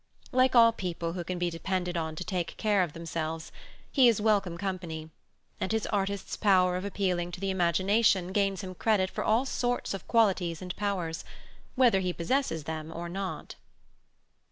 Like all people who can be depended on to take care of themselves, he is welcome company; and his artist's power of appealing to the imagination gains him credit for all sorts of qualities and powers, whether he possesses them or not.